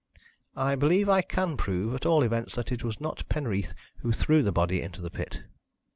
"I believe I can prove, at all events, that it was not Penreath who threw the body into the pit."